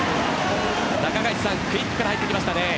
中垣内さん、クイックから入ってきましたね。